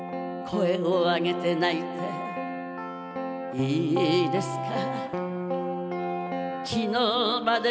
「声をあげて泣いていいですか」